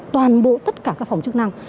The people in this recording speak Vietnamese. toàn bộ tất cả các phòng chức năng